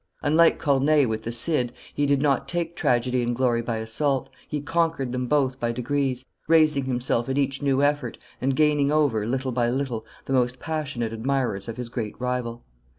Unlike Corneille with the Cid, he did not take tragedy and glory by assault, he conquered them both by degrees, raising himself at each new effort, and gaining over, little by little, the most passionate admirers of his great rival.